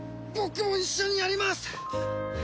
僕も一緒にやります！